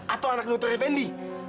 atau anak nutre fendi